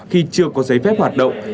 khi chưa có giấy phép hoạt động